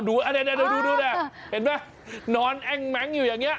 เดี๋ยวดูน่ะเห็นไหมนอนแอ้งแม้งอยู่อย่างนี้